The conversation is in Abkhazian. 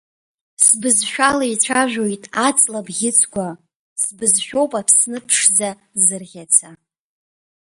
Сбызшәала ицәажәоит аҵла абӷьыцқәа, сбызшәоуп Аԥсны-ԥшӡа зырӷьаца.